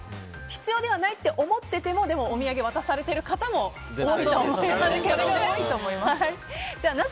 必要ではないって思っててもでもお土産、渡されている方も多いと思いますけど。